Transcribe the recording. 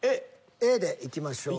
Ａでいきましょう。